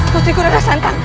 putriku ada santan